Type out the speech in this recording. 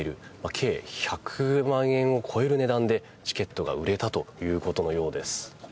計１００万円を超える値段でチケットが売れたということのようです。